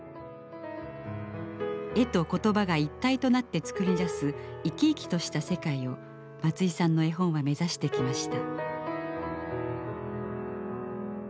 絵と言葉が一体となって作り出す生き生きとした世界を松居さんの絵本は目指してきました。